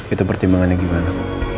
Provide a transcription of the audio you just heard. itu pertimbangannya gimana